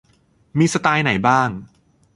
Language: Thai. มีสไตล์ไหนบ้าง